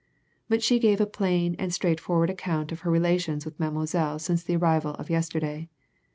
But she gave a plain and straightforward account of her relations with Mademoiselle since the arrival of yesterday.